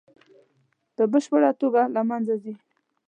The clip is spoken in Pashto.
په بشپړه توګه له منځه ځي.